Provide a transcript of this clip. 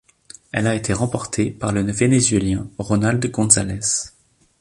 Elle a été remportée par le Vénézuélien Ronald González.